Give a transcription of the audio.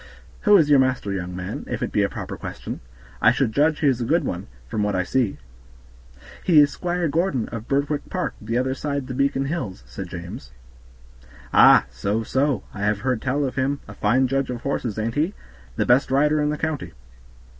"Who is your master, young man? if it be a proper question. I should judge he is a good one, from what I see." "He is Squire Gordon, of Birtwick Park, the other side the Beacon Hills," said James. "Ah! so, so, I have heard tell of him; fine judge of horses, ain't he? the best rider in the county."